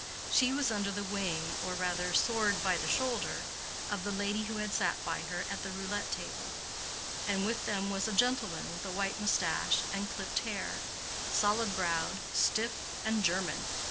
She was under the wing, or rather soared by the shoulder, of the lady who had sat by her at the roulette table; and with them was a gentleman with a white mustache and clipped hair: solid browed, stiff and German.